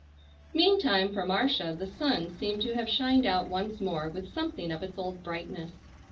Meantime for Marcia the sun seemed to have shined out once more with something of its old brightness.